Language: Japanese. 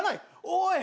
おい！